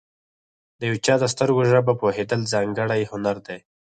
د یو چا د سترګو ژبه پوهېدل، ځانګړی هنر دی.